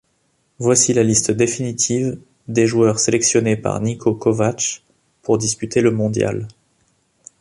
Voici la liste définitive des joueurs sélectionnés par Niko Kovač pour disputer le mondial.